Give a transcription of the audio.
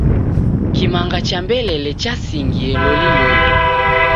Kimanga cha mbelele chasingie loliloli.